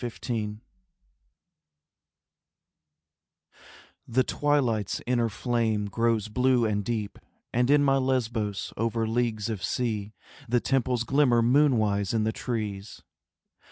Sappho The twilight's inner flame grows blue and deep, And in my Lesbos, over leagues of sea, The temples glimmer moonwise in the trees.